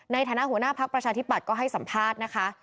ในฐานะหัวหน้าภักดิ์ประชาธิปัตย์ก็ให้สัมภาษณ์นะคะ